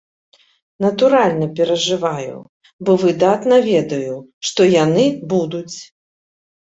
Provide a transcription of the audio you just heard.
Натуральна, перажываю, бо выдатна ведаю, што яны будуць.